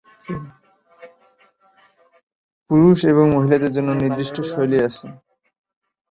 পুরুষ এবং মহিলাদের জন্য নির্দিষ্ট শৈলী আছে।